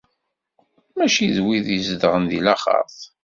Mačči d wid izedɣen di laxert.